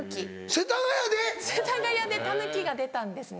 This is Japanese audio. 世田谷でタヌキが出たんですね。